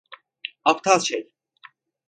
Aptal şey!